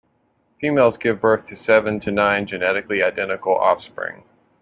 Females give birth to seven to nine genetically identical offspring.